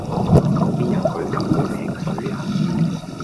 我邊有佢咁好命水呀